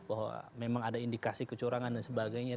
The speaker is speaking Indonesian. bahwa memang ada indikasi kecurangan dan sebagainya